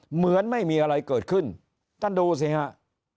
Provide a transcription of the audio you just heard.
เหมือนไม่มีอะไรเกิดขึ้นท่านดูสิฮะ